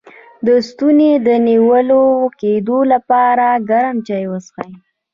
د ستوني د نیول کیدو لپاره ګرم چای وڅښئ